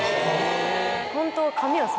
ホントは。